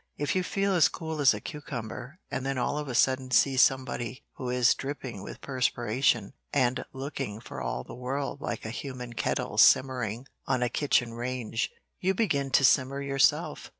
If you feel as cool as a cucumber, and then all of a sudden see somebody who is dripping with perspiration and looking for all the world like a human kettle simmering on a kitchen range, you begin to simmer yourself.